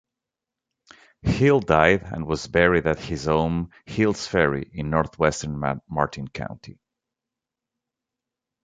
Hill died and was buried at his home, "Hill's Ferry", in northwestern Martin County.